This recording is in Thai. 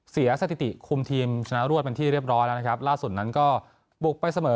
สถิติคุมทีมชนะรวดเป็นที่เรียบร้อยแล้วนะครับล่าสุดนั้นก็บุกไปเสมอ